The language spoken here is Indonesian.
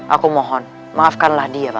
aku mohon maafkanlah dia